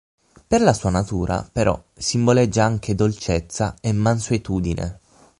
Per la sua natura, però, simboleggia anche "dolcezza" e "mansuetudine".